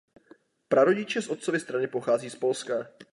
Prarodiče z otcovy strany pochází z Polska.